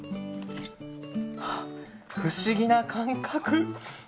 不思議な感覚。